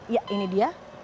ya ini dia